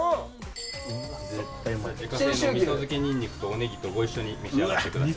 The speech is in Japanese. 自家製の味噌漬けにんにくとおネギとご一緒に召し上がってください。